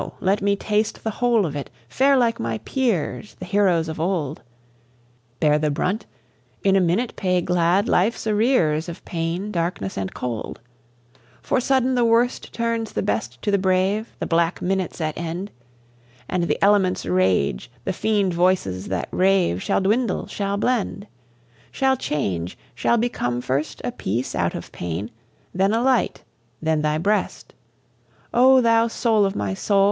let me taste the whole of it, fare like my peers The heroes of old, Bear the brunt, in a minute pay glad life's arrears Of pain, darkness, and cold. For sudden the worst turns the best to the brave, The black minute's at end. And the elements' rage, the fiend voices that rave Shall dwindle, shall blend, Shall change, shall become first a peace out of pain, Then a light, then thy breast, O thou soul of my soul!